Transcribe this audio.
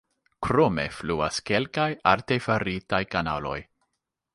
Krome fluas kelkaj artefaritaj kanaloj.